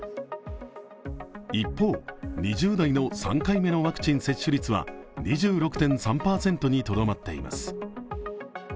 一方、２０代の３回目のワクチン接種率は２６．３％にとどまっています。